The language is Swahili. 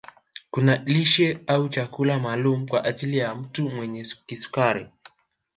Kuna lishe au chakula maalumu kwa ajili ya mtu mwenye kisukari